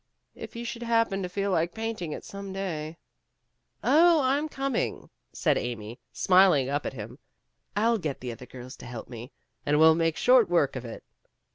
"If you should happen to feel like painting it some day" A TRIUMPH OF ART 51 "Oh, I'm coming," said Amy smiling up at him. "I'll get the other girls to help me, and we '11 make short work of it.